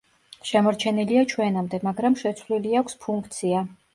შემორჩენილია ჩვენამდე, მაგრამ შეცვლილი აქვს ფუნქცია.